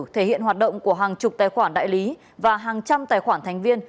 thể hiện hoạt động của hàng chục tài khoản đại lý và hàng trăm tài khoản thành viên